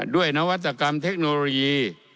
นวัตกรรมเทคโนโลยี